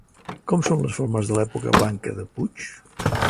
Com són les formes de l'època blanca de Puig?